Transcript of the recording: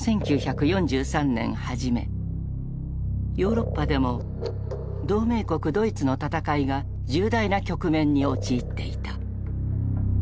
ヨーロッパでも同盟国ドイツの戦いが重大な局面に陥っていた。